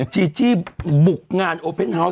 จีจี้บุกงานโอเพนฮาวส